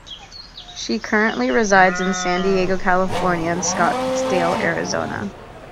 She currently resides in San Diego, California, and Scottsdale, Arizona.